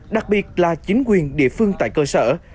đặc biệt là chính quyền địa phương tại cơ sở